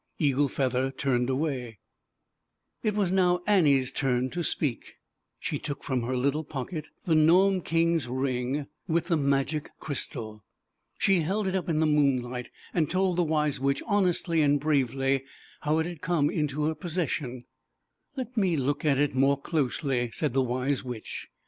Eagle Feather turned away, t was now Jennie's tufflt to .speak. ,e took from her little nofldfet the Gnome King's Rinp^^^ntnTi^^laoric *T ZAUBERLINDA, THE WISE WITCH. 235 Crystal. She held it up in the moon light, and told the Wise Witch, honestly and bravely, how it had come into her possession. " Let me look at it more closely," said the Wise Witch.